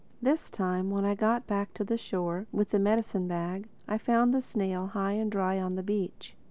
This time when I got back to the shore—with the medicine bag—I found the snail high and dry on the beach.